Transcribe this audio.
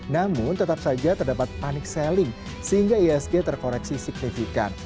namun tetap saja terdapat panic selling sehingga iasg terkoreksi signifikan